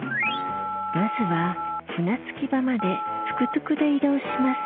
まずは船着き場までトゥクトゥクで移動します